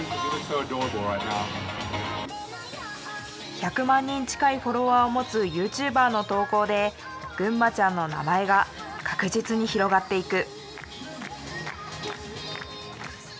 １００万人近いフォロワーを持つＹｏｕＴｕｂｅｒの投稿でぐんまちゃんの名前が確実に広がっていく。